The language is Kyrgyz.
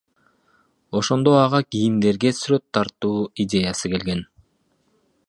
Ошондо ага кийимдерге сүрөт тартуу идеясы келген.